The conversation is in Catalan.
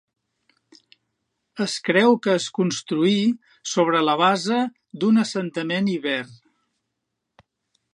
Es creu que es construí sobre la base d'un assentament Iber.